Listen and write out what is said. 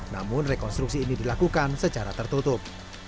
namun rekonstruksi ini dilakukan secara tertutup